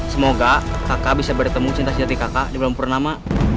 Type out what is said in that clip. semoga kakak bisa bertemu cinta sejati kakak di bulan purnama